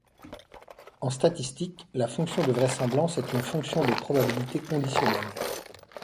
En statistiques, la fonction de vraisemblance est une fonction de probabilité conditionnelle.